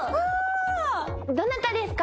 どなたですか？